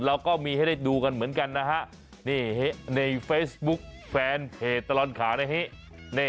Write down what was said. เราก็มีให้ได้ดูกันเหมือนกันนะฮะนี่ในเฟซบุ๊คแฟนเพจตลอดข่าวนะฮะ